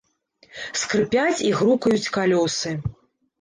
Скрыпяць і грукаюць калёсы.